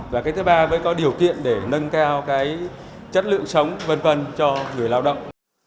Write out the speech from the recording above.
và cái thứ ba mới có điều kiện để nâng cao chất lượng sống vân vân cho người lao động